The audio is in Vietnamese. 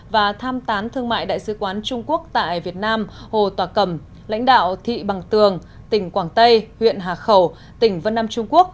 và tham tán thương mại đại sứ quán trung quốc tại việt nam hồ tòa cầm lãnh đạo thị bằng tường tỉnh quảng tây huyện hà khẩu tỉnh vân nam trung quốc